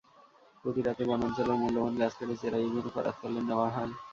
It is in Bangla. প্রতি রাতে বনাঞ্চলের মূল্যবান গাছ কেটে চেরাইয়ের জন্য করাতকলে নেওয়া হয়।